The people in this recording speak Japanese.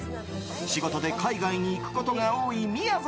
仕事で海外に行くことが多いみやぞ